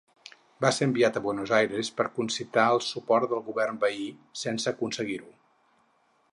Va ser enviat a Buenos Aires per concitar el suport del govern veí, sense aconseguir-ho.